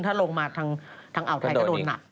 ถ้าลงมาทางอ่าวไทยก็โดนหนัก